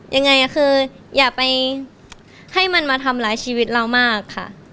ยังไงคืออย่าไปให้มันมาทำร้ายชีวิตเรามากค่ะ